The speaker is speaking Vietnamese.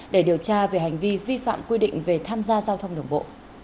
để điều tra về hành vi vi phạm quy định về tham gia giao thông đường bộ